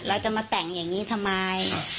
เราจะมาแต่งอย่างนี้ทำไม